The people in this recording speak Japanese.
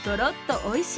おいしい。